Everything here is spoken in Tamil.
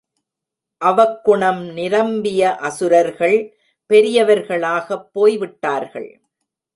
அவக்குணம் நிரம்பிய அசுரர்கள் பெரியவர்களாகப் போய்விட்டார்கள்.